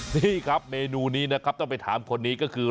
นี่ครับเมนูนี้นะครับต้องไปถามคนนี้ก็คือ